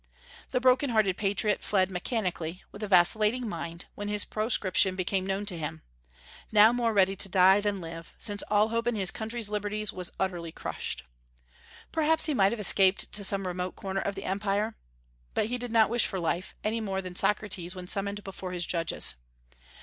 The broken hearted patriot fled mechanically, with a vacillating mind, when his proscription became known to him, now more ready to die than live, since all hope in his country's liberties was utterly crushed. Perhaps he might have escaped to some remote corner of the Empire. But he did not wish for life, any more than did Socrates when summoned before his judges.